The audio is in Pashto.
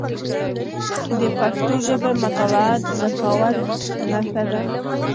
د پښتو ژبي مطالعه د ذکاوت نښه ده.